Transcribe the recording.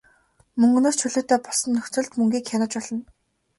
Мөнгөнөөс чөлөөтэй болсон нөхцөлд мөнгийг хянаж болно.